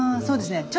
そうですね。